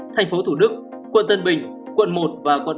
thành phố thủ đức quận tân bình quận một và quận tám